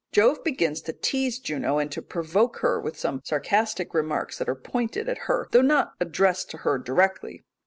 Jove begins to tease Juno, and to provoke her with some sarcastic remarks that are pointed at her though not addressed to her directly.